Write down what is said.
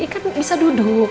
ikan bisa duduk